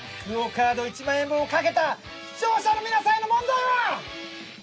ＱＵＯカード１万円分を懸けた視聴者の皆さんへの問題は！